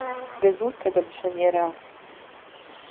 Дызусҭада, мшәан, иара?